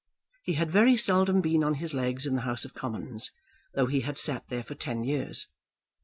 He had very seldom been on his legs in the House of Commons, though he had sat there for ten years.